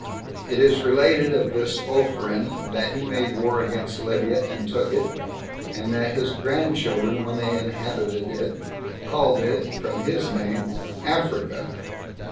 It is related of this Ophren, that he made war against Libya, and took it, and that his grandchildren, when they inhabited it, called it [from his name] Africa.